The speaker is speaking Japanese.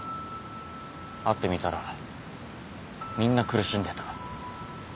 会ってみたらみんな苦しんでた